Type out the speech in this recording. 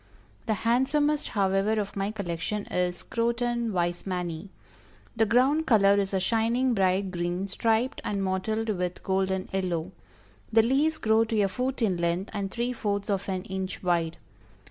The handsomest however of my collection, is Croton Weismanni. The ground color is a shining bright green, striped and mottled with golden yellow. The leaves grow to a foot in length and three fourths of an inch wide.